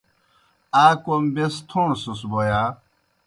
آ کوْم بیْس تھوݨسَس بوْ یا؟